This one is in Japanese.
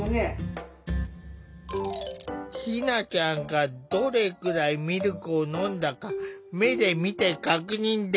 ひなちゃんがどれくらいミルクを飲んだか目で見て確認できない。